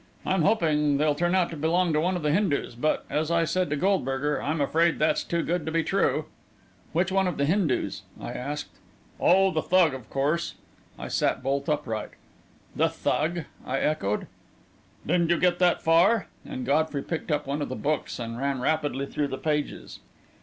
I'm hoping they'll turn out to belong to one of the Hindus but, as I said to Goldberger, I'm afraid that's too good to be true." "Which one of the Hindus?" I asked. "Oh, the Thug, of course." I sat bolt upright. "The Thug?" I echoed. "Didn't you get that far?" and Godfrey picked up one of the books and ran rapidly through the pages.